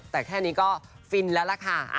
แต่แค่นี้ก็ฟินแล้วล่ะค่ะ